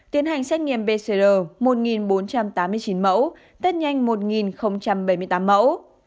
tiến hành xét nghiệm pcr một bốn trăm tám mươi chín mẫu test nhanh một bảy mươi tám mẫu